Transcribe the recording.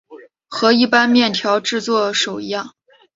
和一般面条制作手一样。